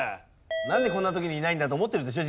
「なんでこんな時にいないんだ」って思ってるでしょ？